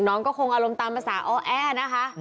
น้องก็คงอารมณ์ตามภาษาอ้อแอนะคะ